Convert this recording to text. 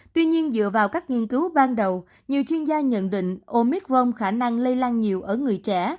tuy nhiên dựa vào các nghiên cứu ban đầu nhiều chuyên gia nhận định omic rong khả năng lây lan nhiều ở người trẻ